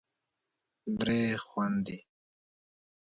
درې خوندې